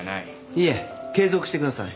いえ継続してください。